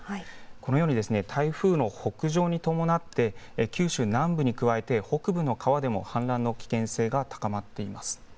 このように台風の北上に伴って九州南部に加えて北部の川でも氾濫の危険性が高まっています。